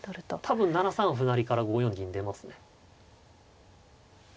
多分７三歩成から５四銀出ますね。